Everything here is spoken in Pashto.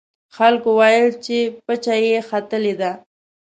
خلکو ویل چې پچه یې ختلې ده.